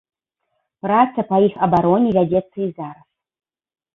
Праца па іх абароне вядзецца і зараз.